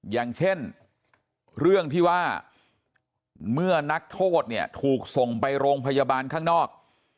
อย่างเช่นเรื่องที่ว่าเมื่อนักโทษเนี่ยถูกส่งไปโรงพยาบาลข้างนอก